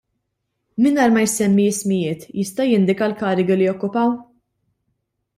Mingħajr ma jsemmi ismijiet jista' jindika l-karigi li jokkupaw?